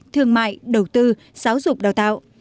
thương mại đầu tư giáo dục đào tạo